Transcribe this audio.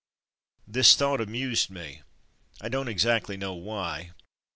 This thought amused me, I don't exactly know why.